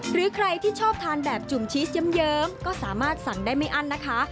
หรือใครที่ชอบทานแบบจุ่มชีสเยิ้มก็สามารถสั่งได้ไม่อั้นนะคะ